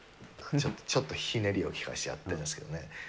ちょっとひねりを効かせてやってるんですけどね。